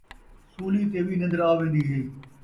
سولی تے وی نن٘در آوین٘دی ہے